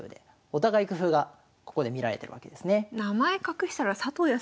お互い工夫がここで見られてるわけですね。